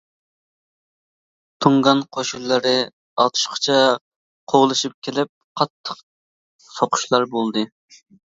تۇڭگان قوشۇنلىرى ئاتۇشقىچە قوغلىشىپ كېلىپ قاتتىق سوقۇشلار بولدى.